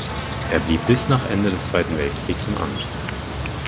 Er blieb bis nach Ende des Zweiten Weltkrieges im Amt.